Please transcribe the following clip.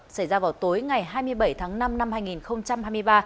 xảy ra vào tối ngày hai mươi bảy tháng năm năm hai nghìn hai mươi ba